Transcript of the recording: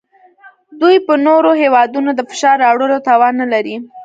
دوی په نورو هیوادونو د فشار راوړلو توان نلري